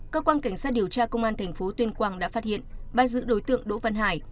cơ quan cảnh sát điều tra công an tp tuyên quang đã phát hiện bác giữ đối tượng đỗ văn hải